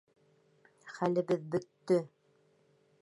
Хәлебеҙ бөттө!